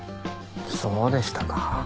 そうでしたか。